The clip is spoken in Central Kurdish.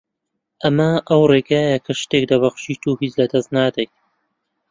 ئەمە ئەو ڕێگایەیە کە شتێک دەبەخشیت و هیچ لەدەست نادەیت